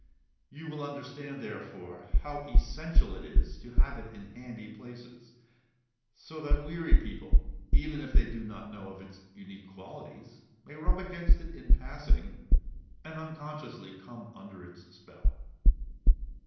You will understand, therefore, how essential it is to have it in handy places, so that weary people, even if they do not know of its unique qualities, may rub against it in passing, and unconsciously come under its spell.